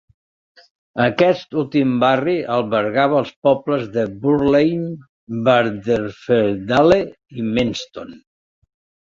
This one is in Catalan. Aquest últim barri albergava els pobles de Burley-in-Wharfedale i Menston.